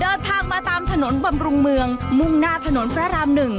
เดินทางมาตามถนนบำรุงเมืองมุ่งหน้าถนนพระราม๑